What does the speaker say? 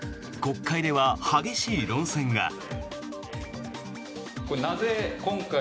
国会では激しい論戦が。